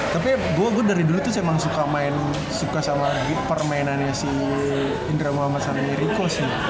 tapi gue dari dulu tuh emang suka main suka sama permainannya si indra muhammad sama riko sih